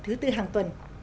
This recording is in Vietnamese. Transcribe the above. thứ bốn hàng tuần